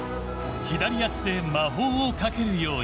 左足で魔法をかけるように。